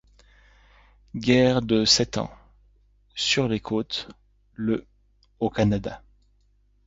Guerre de Sept Ans : sur les côtes, le au Canada.